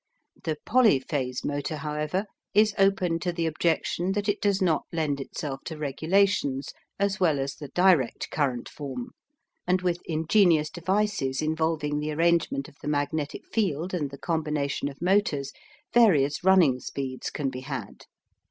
The polyphase motor, however, is open to the objection that it does not lend itself to regulations as well as the direct current form, and with ingenious devices involving the arrangement of the magnetic field and the combination of motors, various running speeds can be had.